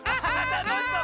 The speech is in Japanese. たのしそう。